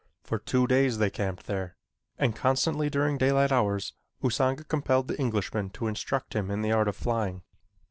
For two days they camped there, and constantly during daylight hours Usanga compelled the Englishman to instruct him in the art of flying.